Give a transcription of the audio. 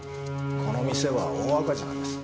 この店は大赤字なんです。